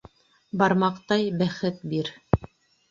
Бармаҡтай бәхет бир.